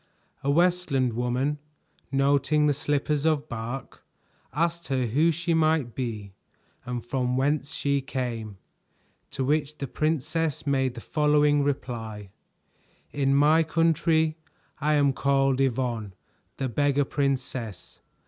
A Westland woman, noting the slippers of bark, asked her who she might be and from whence she came; to which the princess made the following reply: "In my country I am called Yvonne, the Beggar Princess.